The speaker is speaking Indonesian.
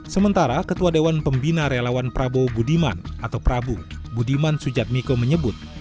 sementara ketua dewan pembina relawan prabowo budiman atau prabu budiman sujatmiko menyebut